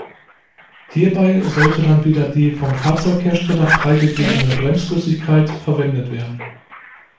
Hierbei sollte dann wieder die vom Fahrzeughersteller freigegebene Bremsflüssigkeit verwendet werden.